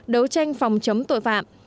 đấu tranh phòng chống tội phạm